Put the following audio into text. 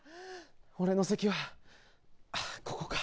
俺の席はあっここか。